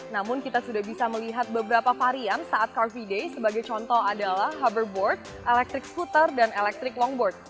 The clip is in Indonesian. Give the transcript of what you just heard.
namun kita sudah bisa melihat beberapa varian saat car free day sebagai contoh adalah hoverboard electric scooter dan electric longboard